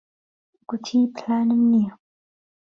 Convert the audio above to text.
گوتی پلانم نییە.